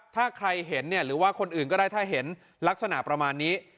ถ้าใครเห็นหรือว่าคนอื่นก็ได้ถ้าเห็นลักษณะประมาณนี้